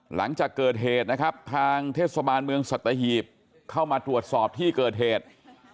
หลังจากเกิดเหตุนะครับทางเทศบาลเมืองสัตหีบเข้ามาตรวจสอบที่เกิดเหตุ